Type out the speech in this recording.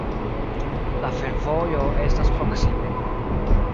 La fervojo estas proksime.